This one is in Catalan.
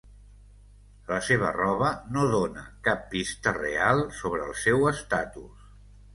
La seva roba no dóna cap pista real sobre el seu estatus.